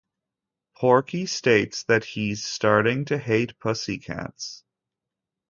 Porky states that he's starting to hate pussycats.